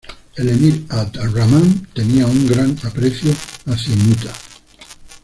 El emir Abd Ar-Rahman tenía un gran aprecio hacia Mut´a.